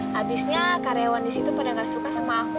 habisnya karyawan di situ pada gak suka sama aku